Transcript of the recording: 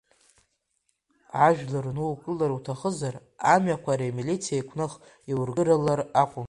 Ажәлар нукылар уҭахызар, амҩақәа ари амилициеи еиқәных иургылар акәын.